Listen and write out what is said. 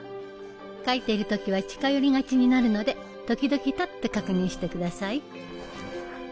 描いているときは近寄りがちになるので時々立って確認してください。